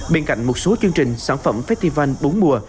bên cạnh một số chương trình sản phẩm festival bốn mùa